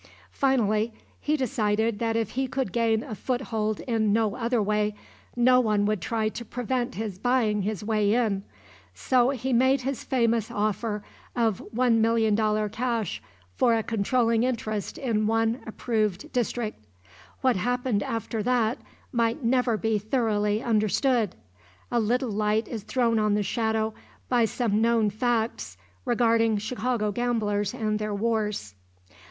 Finally he decided that if he could gain a foothold no other way, no one would try to prevent his buying his way in. So he made his famous offer of $1,000,000 cash for a controling interest in one approved district. What happened after that might never be thoroughly understood. A little light is thrown on the shadow by some known facts regarding Chicago gamblers and their wars.